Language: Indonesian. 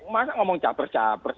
malah ngomong capers capers